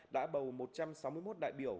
đã bầu một trăm sáu mươi một đại biểu